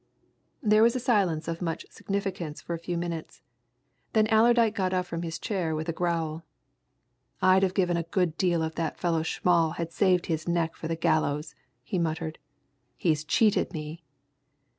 There was a silence of much significance for a few minutes; then Allerdyke got up from his chair with a growl. "I'd have given a good deal if that fellow Schmall had saved his neck for the gallows!" he muttered. "He's cheated me!"